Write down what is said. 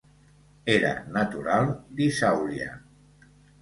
Era natural d'Isàuria.